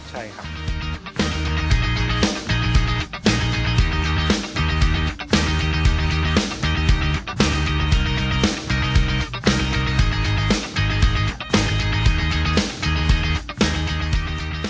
ใช่ครับ